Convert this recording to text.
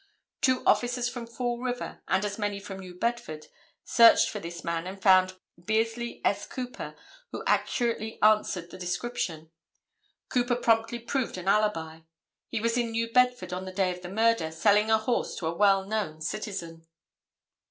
Two officers from Fall River and as many from New Bedford searched for this man and found Bearsley S. Cooper, who accurately answered the description. Cooper promptly proved an alibi. He was in New Bedford on the day of the murder selling a horse to a well known citizen.